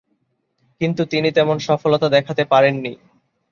কিন্তু তিনি তেমন সফলতা দেখাতে পারেননি।